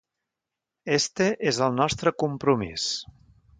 Este és el nostre compromís.